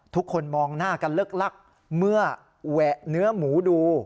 ทุกคนมองหน้ากันลึกลักเมื่อแหวะเนื้อหมูดู